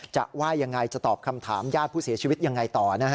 ว่ายังไงจะตอบคำถามญาติผู้เสียชีวิตยังไงต่อนะฮะ